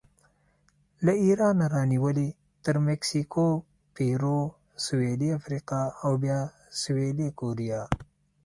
له ایرانه رانیولې تر مکسیکو، پیرو، سویلي افریقا او بیا سویلي کوریا